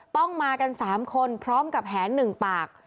ต้องมากัน๓คนพร้อมกับแหน๑ปาก